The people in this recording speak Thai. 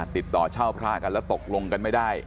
ติดต่อเช่าพระกันแล้วตกลงกันไม่ได้